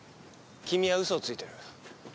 君は嘘をついている。